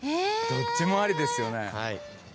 どっちもありですよね。